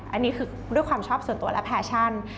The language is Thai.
อันนี้คือด้วยความชอบส่วนตัวและแฟชั่น